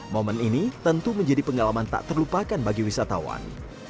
momen ini tentu menjadi pengalaman tak terlupakan bagi wisatawan